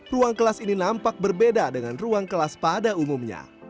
ruang kelas ini nampak berbeda dengan ruang kelas pada umumnya